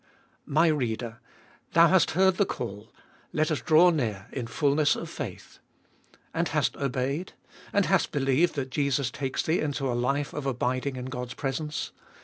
My reader, thou hast heard the call, Let us draw near in fulness of faith. And hast obeyed ? And hast believed that Jesus takes thee into a life of abiding in God's presence?